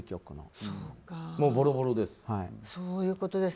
もう、ボロボロです。